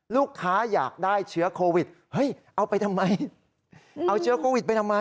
ลูกค้าอยากได้เชื้อโควิดเฮ้ยเอาไปทำไมเอาเชื้อโควิดไปทำไม